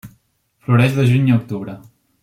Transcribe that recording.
Floreix de juny a octubre.